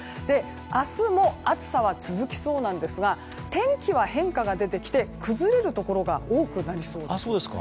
明日も暑さは続きそうですが天気は変化が出てきて崩れるところが多くなりそうです。